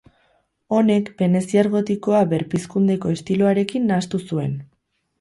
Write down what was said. Honek veneziar gotikoa berpizkundeko estiloarekin nahastu zuen.